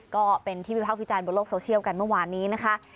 ก็เป็นที่วิภาควิจารณ์บนโลกโซเชียลกันเมื่อวานนี้นะคะ